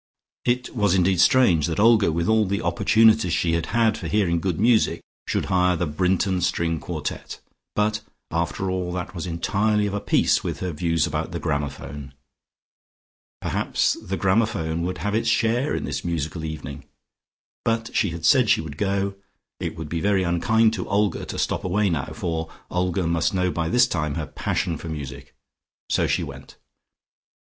It was indeed strange that Olga with all the opportunities she had had for hearing good music, should hire the Brinton string quartet, but, after all, that was entirely of a piece with her views about the gramophone. Perhaps the gramophone would have its share in this musical evening. But she had said she would go: it would be very unkind to Olga to stop away now, for Olga must know by this time her passion for music, so she went.